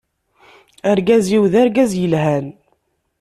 Argaz-iw d argaz yelhan.